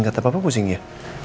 gak ada apa apa pusing ya